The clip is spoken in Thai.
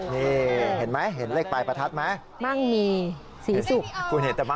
นี่เห็นไหมเห็นเลขปลายประทัดไหม